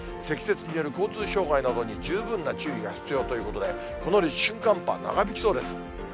積雪による交通障害などに十分な注意が必要ということで、この立春寒波、長引きそうです。